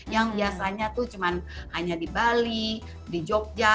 yang biasanya itu hanya di bali di jogja